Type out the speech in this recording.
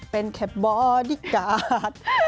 เป็นแค่บอดี้การ์ด